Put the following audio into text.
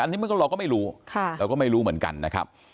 อันนี้เราก็ไม่รู้เราก็ไม่รู้เหมือนกันนะครับ